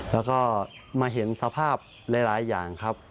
แล้วก็มาเห็นสภาพหลายอย่างครับ